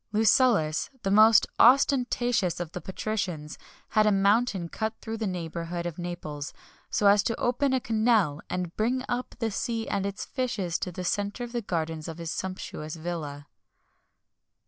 Lucullus, the most ostentatious of the patricians, had a mountain cut through in the neighbourhood of Naples, so as to open a canal and bring up the sea and its fishes to the centre of the gardens of his sumptuous villa.